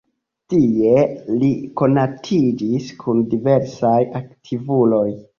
Tie li konatiĝis kun diversaj aktivuloj.